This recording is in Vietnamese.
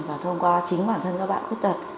và thông qua chính bản thân các bạn khuyết tật